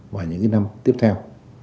và những năm tiếp theo